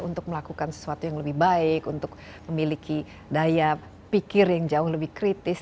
untuk melakukan sesuatu yang lebih baik untuk memiliki daya pikir yang jauh lebih kritis